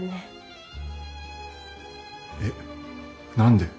えっ何で。